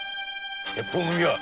鉄砲組は！